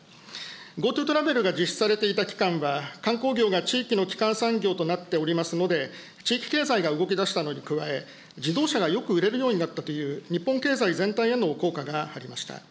ＧｏＴｏトラベルが実施されていた期間は、観光工業が地域の基幹産業となってので、地域経済が動きだしたのに加え、自動車がよく売れるようになったという日本経済全体への効果がありました。